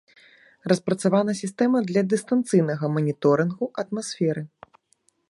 Распрацавана сістэма для дыстанцыйнага маніторынгу атмасферы.